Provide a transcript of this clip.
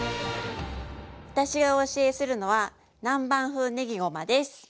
私がお教えするのは南蛮風ねぎごまです。